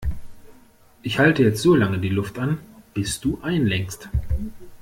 Ich halte jetzt so lange die Luft an, bis du einlenkst.